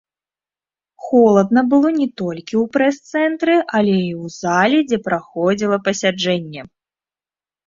Холадна было не толькі ў прэс-цэнтры, але і ў зале, дзе праходзіла пасяджэнне.